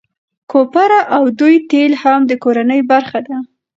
کوپره او دوی تېل هم د کورنۍ برخه ده.